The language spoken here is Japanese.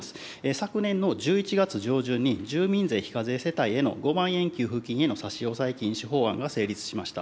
昨年の１１月上旬に住民税非課税世帯への５万円給付金への差し押さえ禁止法案が成立しました。